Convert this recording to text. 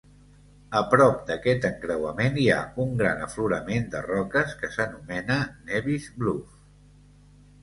A prop d'aquest encreuament hi ha un gran aflorament de roques que s'anomena Nevis Bluff.